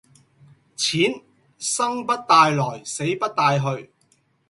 錢生不帶來死不帶去